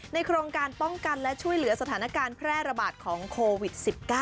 โครงการป้องกันและช่วยเหลือสถานการณ์แพร่ระบาดของโควิด๑๙